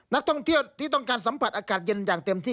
นักท่องเที่ยวที่ต้องการสัมผัสอากาศเย็นอย่างเต็มที่